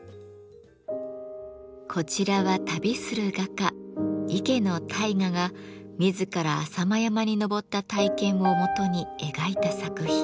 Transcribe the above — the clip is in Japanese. こちらは旅する画家池大雅が自ら浅間山に登った体験をもとに描いた作品。